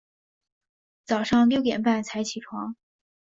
早上六点半才起床